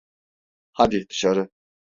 Hadi dışarı.